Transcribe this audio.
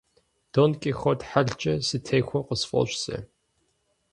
Дон Кихот хьэлкӀэ сытехуэу къысфӀощӀ сэ.